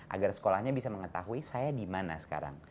agar sekolahnya bisa mengetahui saya di mana sekarang